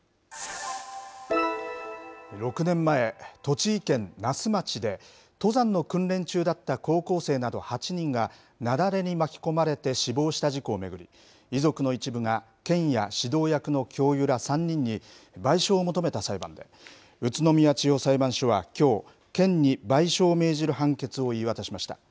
６年前、栃木県那須町で、登山の訓練中だった高校生など８人が雪崩に巻き込まれて死亡した事故を巡り、遺族の一部が県や指導役の教諭ら３人に賠償を求めた裁判で、宇都宮地方裁判所はきょう、県に賠償命じる判決を言い渡しました。